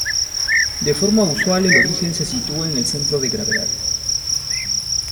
De forma usual el origen se sitúa en el centro de gravedad.